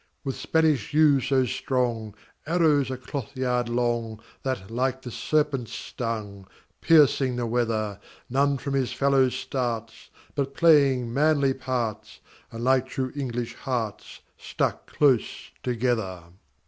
With Spanish yew so strong, Arrows a cloth yard long, That like to serpents stung, Piercing the weather; None from his fellow starts, But playing manly parts, And like true English hearts, Stuck close together.